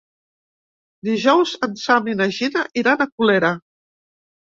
Dijous en Sam i na Gina iran a Colera.